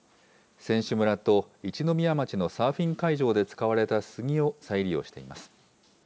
選手村と一宮町のサーフィン会場で使われたスギを再利用しています。